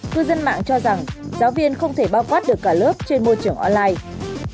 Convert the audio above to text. cư dân mạng cho rằng giáo viên không thể bao quát được cả lớp trên môi trường online